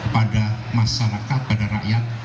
kepada masyarakat pada rakyat